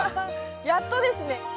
やっとですね。